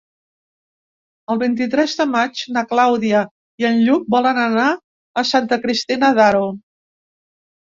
El vint-i-tres de maig na Clàudia i en Lluc volen anar a Santa Cristina d'Aro.